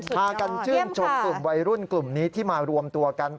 พากันชื่นชมกลุ่มวัยรุ่นกลุ่มนี้ที่มารวมตัวกัน